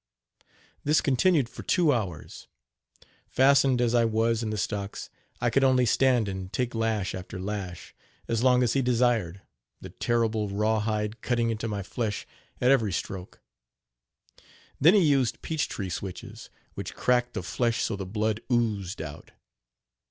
This continued for two hours. Fastened as I was in the stocks, I could only stand and take lash after lash, as long as he desired, the terrible rawhide cutting into my flesh at every stroke. Then he used peach tree switches, which cracked the flesh so the blood oozed out.